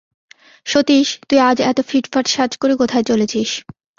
সতীশ, তুই আজ এত ফিটফাট সাজ করে কোথায় চলেছিস।